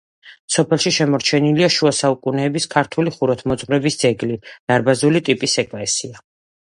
სოფელში შემორჩენილია შუა საუკუნეების ქართული ხუროთმოძღვრების ძეგლი, დარბაზული ტიპის ეკლესია.